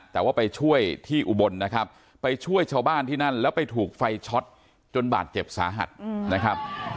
แต่ว่าไปช่วยที่อุบลนะครับไปช่วยชาวบ้านที่นั่นแล้วไปถูกไฟช็อตจนบาดเจ็บสาหัสนะครับ